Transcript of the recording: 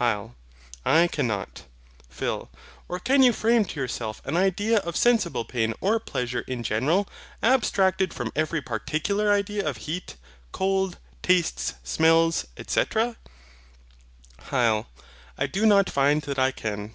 HYL. I cannot. PHIL. Or can you frame to yourself an idea of sensible pain or pleasure in general, abstracted from every particular idea of heat, cold, tastes, smells? &c. HYL. I do not find that I can.